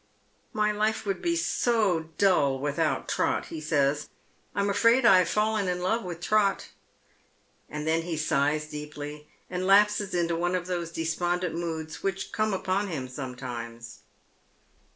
"My life would be so dull without Trot," he eays. "I'm afraid I have fallen in love with Trot." And then he eighs deeply, and lapses into one of those despondent moods which come upon him sometimes.